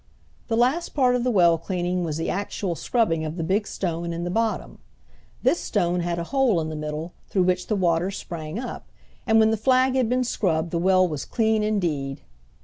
The last part of the well cleaning was the actual scrubbing of the big stone in the bottom. This stone had a hole in the middle through which the water sprang up, and when the flag had been scrubbed the well was clean indeed.